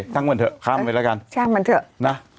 ช่างมันเถอะข้ามไปแล้วกันช่างมันเถอะนะ